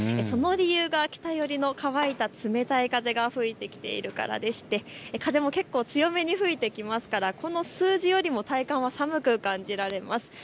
その理由は北寄りの乾いた冷たい風が吹いてきているからでして風も強めに吹いてきますから数字よりも体感は寒く感じられます。